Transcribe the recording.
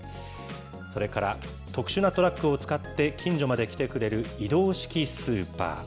それから、特殊なトラックを使って近所まで来てくれる移動式スーパー。